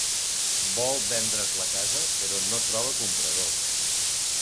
Vol vendre's la casa, però no troba comprador.